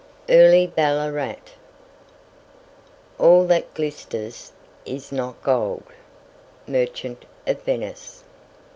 EARLY BALLARAT. "All that glisters is not gold." Merchant of Venice.